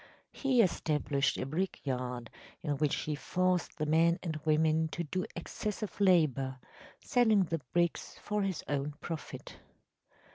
He established a brick yard, in which he forced the men and women to do excessive labor, selling the bricks for his own profit.